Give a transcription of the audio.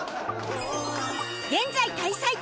現在開催中！